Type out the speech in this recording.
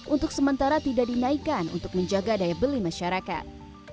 untuk sementara tidak dinaikkan untuk menjaga daya beli masyarakat